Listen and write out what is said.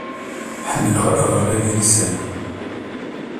Ḥemmleɣ ad ɣreɣ idlisen.